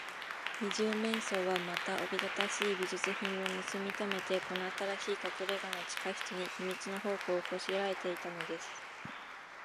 二十面相は、また、おびただしい美術品をぬすみためて、この新しいかくれがの地下室に、秘密の宝庫をこしらえていたのです。